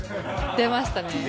出ましたね。